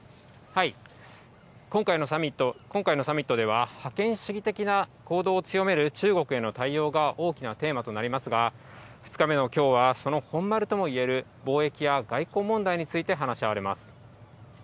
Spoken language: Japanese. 今回のサミットでは、覇権主義的な行動を強める中国への対応が大きなテーマとなりますが、２日目のきょうは、その本丸ともいえる貿易や外交問題について話し合われます。